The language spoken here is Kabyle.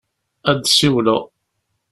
Ad d-siwleɣ.